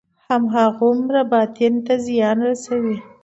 هماغومره باطن ته زیان رسوي.